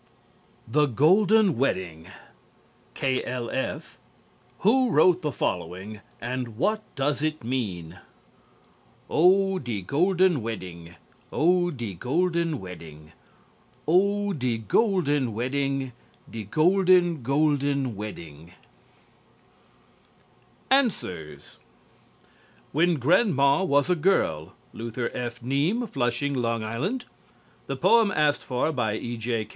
_" "THE GOLDEN WEDDING" K.L.F. Who wrote the following and what does it mean? "Oh, de golden wedding, Oh, de golden wedding, Oh, de golden wedding, De golden, golden wedding!" ANSWERS "WHEN GRANDMA WAS A GIRL" LUTHER F. NEAM, Flushing, L.I. The poem asked for by "E.J.